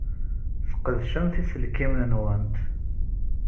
Sqedcemt iselkimen-nwent.